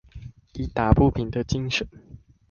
以打不平的精砷